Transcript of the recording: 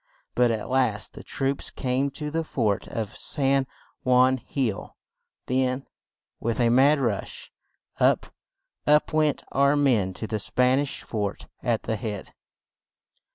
But at last the troops came to the fort of San Juan Hill; then, with a mad rush, up, up went our men to the Span ish fort at the head!